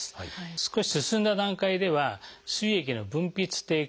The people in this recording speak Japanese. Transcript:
少し進んだ段階ではすい液の分泌低下